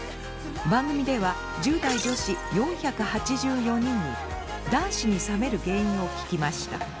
番組では１０代女子４８４人に男子に冷める原因を聞きました。